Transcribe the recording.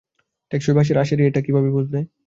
টেকসই বাঁশের আঁশের-ই এটা, কীভাবে বুঝলে?